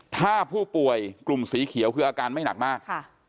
ถ้าผู้ป่วยกลุ่มสีเขียวคืออาการไม่หนักมาก